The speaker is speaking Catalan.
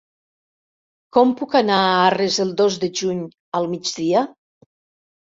Com puc anar a Arres el dos de juny al migdia?